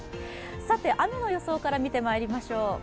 さて雨の予想から見てまいりましょう。